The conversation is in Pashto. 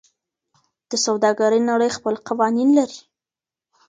د سوداګرۍ نړۍ خپل قوانین لري.